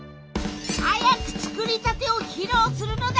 早く作りたてを披露するのだ！